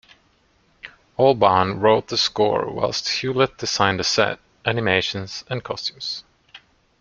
Albarn wrote the score whilst Hewlett designed the set, animations and costumes.